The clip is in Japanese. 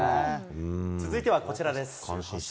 続いてはこちらです。